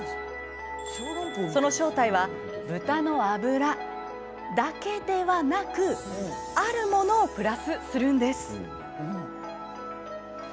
その正体は豚の脂だけではなくあるものをプラスするんです。